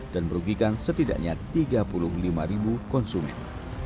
dan merugikan setidaknya tiga puluh lima ribu konsumen